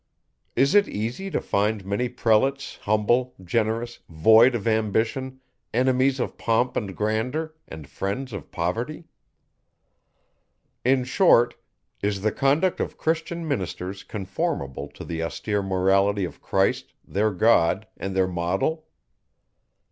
Is it easy to find many prelates humble, generous, void of ambition, enemies of pomp and grandeur, and friends of poverty? In short, is the conduct of Christian ministers conformable to the austere morality of Christ, their God, and their model?